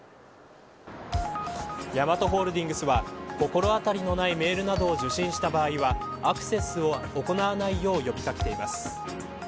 ヤマトホールディングスは心当たりのないメールなどを受信した場合はアクセスを行わないよう呼び掛けています。